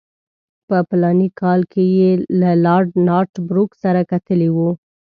په فلاني کال کې یې له لارډ نارت بروک سره کتلي وو.